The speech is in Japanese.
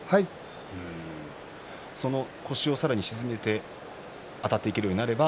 腰をさらに沈めてあたっていけるようになれば。